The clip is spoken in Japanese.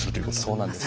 そうなんです。